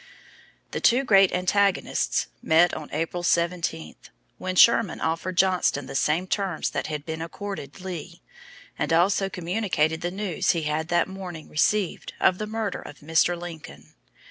The two great antagonists met on April 17, when Sherman offered Johnston the same terms that had been accorded Lee, and also communicated the news he had that morning received of the murder of Mr. Lincoln.